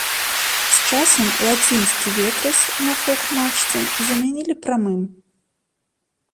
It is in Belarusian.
З часам лацінскі ветразь на фок-мачце замянілі прамым.